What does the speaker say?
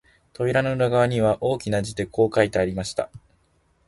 扉の裏側には、大きな字でこう書いてありました